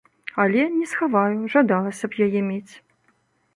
Але, не схаваю, жадалася б яе мець.